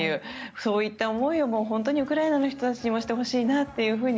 そういった思いを本当にウクライナの人たちにもしてほしいなっていうふうに